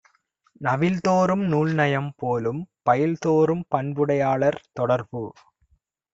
நவில்தொறும் நூல்நயம் போலும், பயில்தொறும் பண்புடையாளர் தொடர்பு.